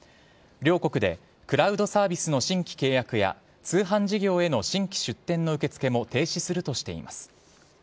両国でクラウドサービスの新規契約や通販事業への新規出店の受け付けも停止するとしています。